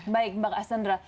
baik mbak cassandra